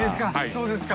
そうですか。